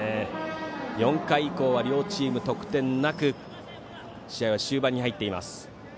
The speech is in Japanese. ４回以降は両チーム得点なく試合は終盤に入っています。